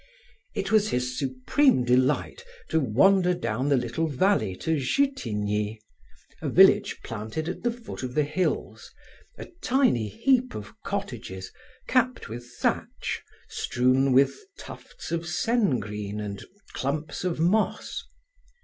It was his supreme delight to wander down the little valley to Jutigny, a village planted at the foot of the hills, a tiny heap of cottages capped with thatch strewn with tufts of sengreen and clumps of moss.